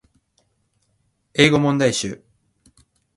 英語問題集